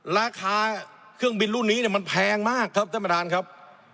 ราคาเครื่องบินรุ่นนี้มันแพงมากครับท่านประธานครับ